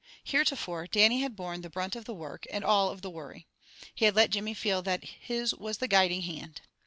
Heretofore, Dannie had borne the brunt of the work, and all of the worry. He had let Jimmy feel that his was the guiding hand.